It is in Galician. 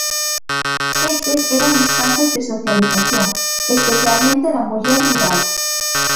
Estes eran espazos de socialización, especialmente da muller rural.